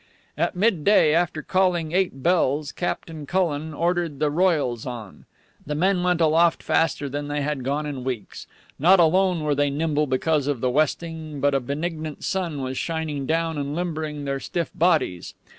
At midday, after calling eight bells, Captain Cullen ordered the royals on. The men went aloft faster than they had gone in weeks. Not alone were they nimble because of the westing, but a benignant sun was shining down and limbering their stiff bodies.